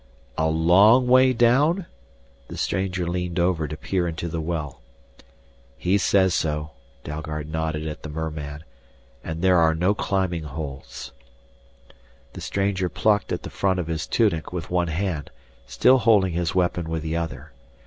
"A long way down?" The stranger leaned over to peer into the well. "He says so," Dalgard nodded at the merman. "And there are no climbing holds." The stranger plucked at the front of his tunic with one hand, still holding his weapon with the other.